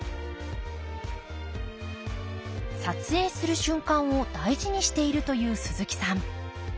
撮影する瞬間を大事にしているという鈴木さん。